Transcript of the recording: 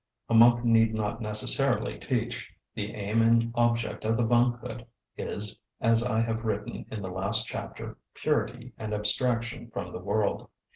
A monk need not necessarily teach; the aim and object of the monkhood is, as I have written in the last chapter, purity and abstraction from the world.